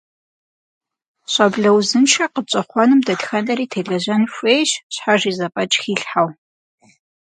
Щӏэблэ узыншэ къытщӏэхъуэным дэтхэнэри телэжьэн хуейщ, щхьэж и зэфӏэкӏ хилъхьэу.